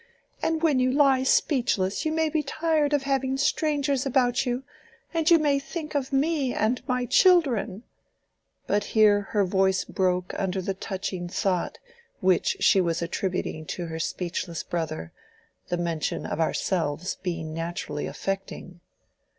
"And when you lie speechless you may be tired of having strangers about you, and you may think of me and my children"—but here her voice broke under the touching thought which she was attributing to her speechless brother; the mention of ourselves being naturally affecting.